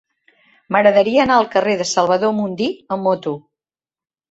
M'agradaria anar al carrer de Salvador Mundí amb moto.